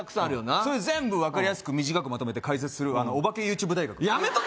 それ全部分かりやすく短くまとめて解説するオバケＹｏｕＴｕｂｅ大学やめとけ